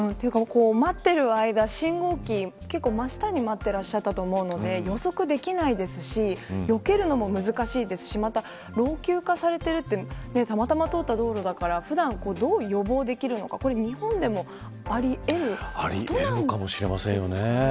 待っている間、信号機結構、真下に待ってらっしゃたと思うので予測できないですしよけるのも難しいですしまた老朽化されてるってたまたま通った道路だから普段、どう予防できるのか日本でもありえることなんですかね。